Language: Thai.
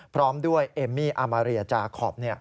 พร้อมด้วยเอมมี่อามาเรียจาคอป